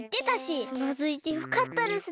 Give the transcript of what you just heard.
つまずいてよかったですね。